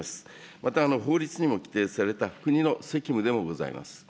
また法律にも規定された国の責務でもございます。